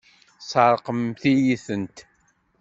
Tesɛeṛqemt-iyi-tent!